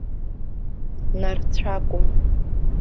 Нарцәакәым.